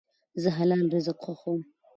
زه حلال رزق خوښوم.